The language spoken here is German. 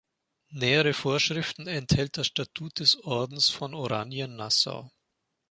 Nähere Vorschriften enthält das Statut des Ordens von Oranien-Nassau.